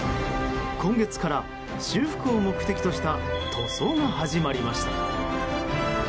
今月から修復を目的とした塗装が始まりました。